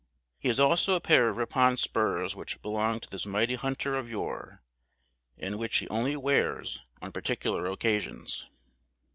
He has also a pair of Ripon spurs which belonged to this mighty hunter of yore, and which he only wears on particular occasions.